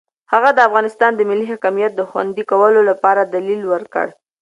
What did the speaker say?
هغه د افغانستان د ملي حاکمیت د خوندي کولو لپاره دلیل ورکړ.